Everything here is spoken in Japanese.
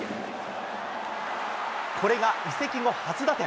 これが移籍後初打点。